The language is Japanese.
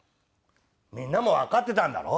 みんなもわかってたんだろ？